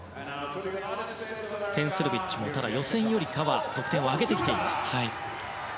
テン・スルビッチもただ、予選よりかは得点を上げてきています。